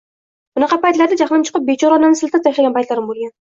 Bunaqa paytlarda jahlim chiqib, bechora onamni siltab tashlagan paytlarim bo`lgan